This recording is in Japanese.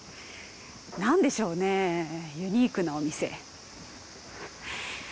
何でしょうねユニークなお店。